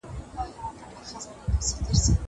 زه مخکي مېوې خوړلې وه.